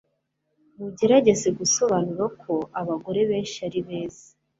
mugerageza gusobanura ko abagabo benshi ari beza